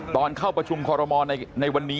ตอนเข้าประชุมคอรมอลในวันนี้